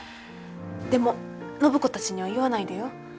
でも暢子たちには言わないでよ。